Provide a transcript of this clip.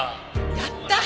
やった！